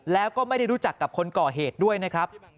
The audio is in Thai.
แล้วก็ไม่ได้รู้จักกับคนก่อเหตุด้วยนะครับ